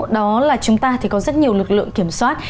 đó là chúng ta thì có rất nhiều lực lượng kiểm soát